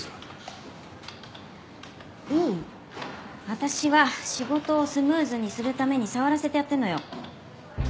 私は仕事をスムーズにするために触らせてやってるのよ。